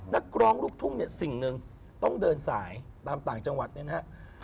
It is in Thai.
นักร้องลูกทุ่งเนี่ยสิ่งหนึ่งต้องเดินสายตามต่างจังหวัดเนี่ยนะฮะ